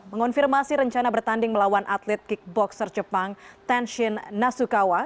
mengonfirmasi rencana bertanding melawan atlet kickboxer jepang tenshin nasukawa